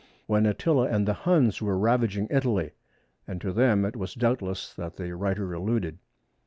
when Attila and the Huns were ravaging Italy, and to them it was doubtless that the writer alluded.